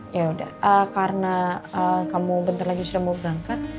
yaudah karena kamu bentar lagi sudah mau berangkat